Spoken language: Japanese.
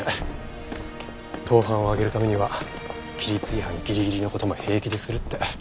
盗犯を挙げるためには規律違反ギリギリの事も平気でするって。